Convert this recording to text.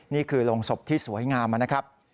นี่คือโรงศพที่สวยงามนะครับ